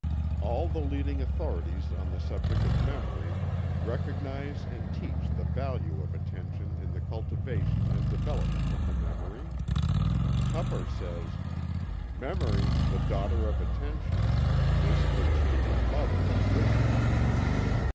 All the leading authorities on the subject of memory recognize and teach the value of attention in the cultivation and development of the memory. Tupper says: "Memory, the daughter of Attention, is the teeming mother of wisdom."